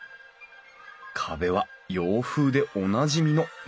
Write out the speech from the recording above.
壁は洋風でおなじみの南京下